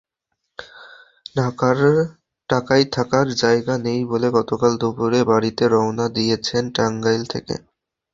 ঢাকায় থাকার জায়গা নেই বলে গতকাল দুপুরের গাড়িতে রওনা দিয়েছেন টাঙ্গাইল থেকে।